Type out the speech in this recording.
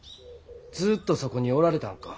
ずっとそこにおられたんか？